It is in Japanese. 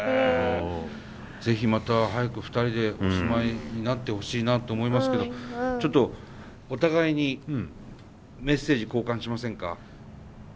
是非また早く２人でお住まいになってほしいなって思いますけどちょっとお互いにメッセージ交換しませんか？